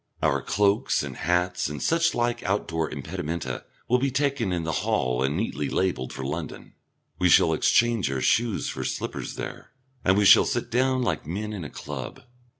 Our cloaks and hats and such like outdoor impedimenta will be taken in the hall and neatly labelled for London, we shall exchange our shoes for slippers there, and we shall sit down like men in a club.